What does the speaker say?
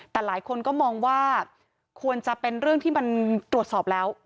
แต่หลายคนก็มองว่าควรจะเป็นเรื่องที่มันตรวจสอบแล้ว